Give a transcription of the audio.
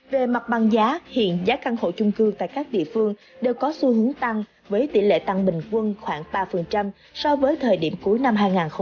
về mặt bằng giá hiện giá căn hộ chung cư tại các địa phương đều có xu hướng tăng với tỷ lệ tăng bình quân khoảng ba so với thời điểm cuối năm hai nghìn hai mươi ba